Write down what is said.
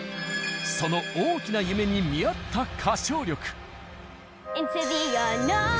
その大きな夢に見合った歌唱力。